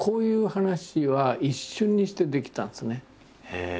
へえ！